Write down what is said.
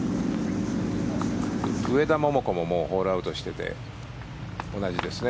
上田桃子ももうホールアウトしてて同じですね。